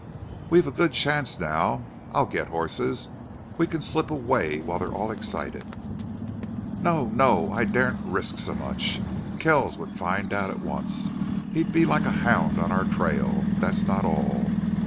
"We've a good chance now. I'll get horses. We can slip away while they're all excited." "No no. I daren't risk so much. Kells would find out at once. He'd be like a hound on our trail. But that's not all.